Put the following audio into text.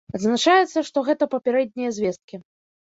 Адзначаецца, што гэта папярэднія звесткі.